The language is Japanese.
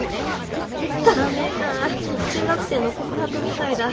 ダメだ中学生の告白みたいだ。